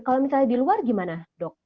kalau misalnya di luar gimana dok